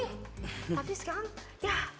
tapi sekarang yah